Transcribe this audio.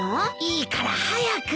いいから早く。